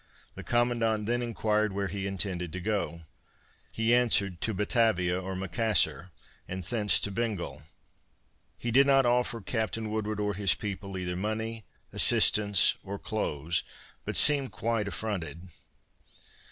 The commandant then enquired where he intended to go. He answered to Batavia or Macassar and thence to Bengal. He did not offer Captain Woodward or his people either money, assistance, or clothes, but seemed quite affronted.